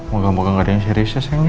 moga moga gak ada yang serius ya sayangnya